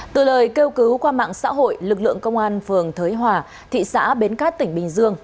từ lời kêu cứu qua mạng xã hội lực lượng công an phường thới hòa thị xã bến cát tỉnh bình dương